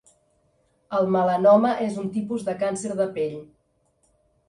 El melanoma és un tipus de càncer de pell.